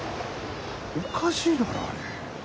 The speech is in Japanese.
おかしいだろあれ。